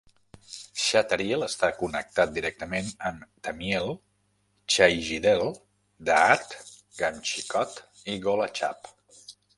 Sathariel està connectat directament amb Thamiel, Chaigidel, Da'at, Gamchicoth i Golachab.